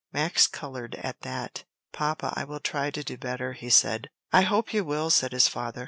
Max colored at that. "Papa, I will try to do better," he said. "I hope you will," said his father.